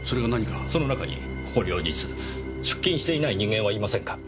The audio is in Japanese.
その中にここ両日出勤していない人間はいませんか？